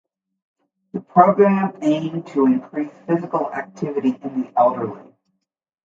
The program aimed to increase physical activity in the elderly.